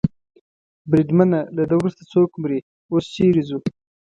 بریدمنه، له ده وروسته څوک مري؟ اوس چېرې ځو؟